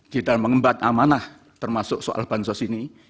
di dalam mengemban amanah termasuk soal bansos ini